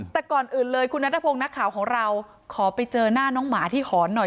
แต่ก่อนอื่นเลยคุณนัทพงศ์นักข่าวของเราขอไปเจอหน้าน้องหมาที่หอนหน่อย